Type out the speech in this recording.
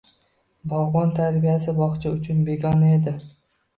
Bog'bon tarbiyasi bog'cha uchun begona edi.